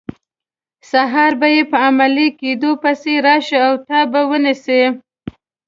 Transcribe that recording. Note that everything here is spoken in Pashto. سهار به یې په عملي کیدو پسې راشي او تا به ونیسي.